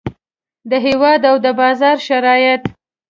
د هیواد او د بازار شرایط.